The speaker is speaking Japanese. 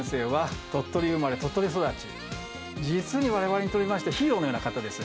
実に我々にとりまして、ヒーローのような方です。